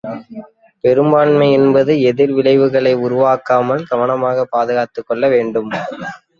பெரும்பான்மை என்பது, எதிர் விளைவுகளை உருவாக்காமல் கவனமாகப் பாதுகாத்துக் கொள்ள வேண்டும்!